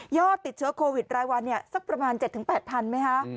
ยอดติดเชื้อโควิดรายวันเนี่ยสักประมาณ๗๘๐๐๐ไหมฮะ